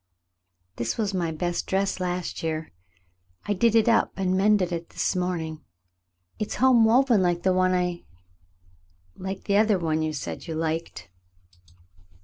"This was my best dress last year. I did it up and mended it this morning. It's home woven like the one I — like the other one you said you liked."